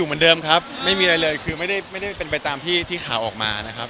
เหมือนเดิมครับไม่มีอะไรเลยคือไม่ได้เป็นไปตามที่ข่าวออกมานะครับ